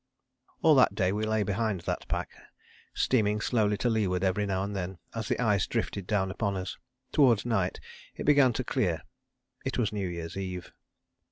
" All that day we lay behind that pack, steaming slowly to leeward every now and then, as the ice drifted down upon us. Towards night it began to clear. It was New Year's Eve.